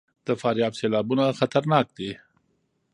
د فاریاب سیلابونه خطرناک دي